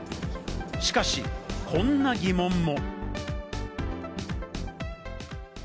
しかし、こんな疑問も。